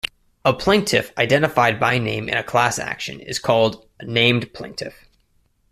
A plaintiff identified by name in a class action is called a named plaintiff.